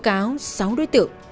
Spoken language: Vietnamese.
báo cáo sáu đối tượng